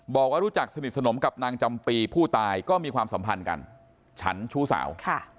บอกว่ารู้จักสนิทสนมกับนางจำปีผู้ตายก็มีความสัมพันธ์กันฉันชู้สาว